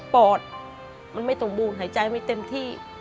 อดมันไม่สมบูรณ์หายใจไม่เต็มที่